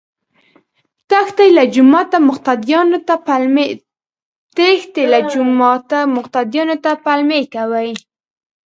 تښتي له جوماته مقتديانو ته پلمې کوي